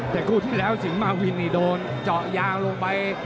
แต่คู่ที่แล้วสิงหมาวินนี่โดนเจาะยางลงไป